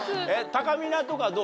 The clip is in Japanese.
たかみなとかどう？